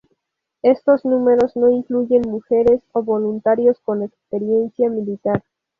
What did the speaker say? Estos números no incluyen mujeres o voluntarios con experiencia militar.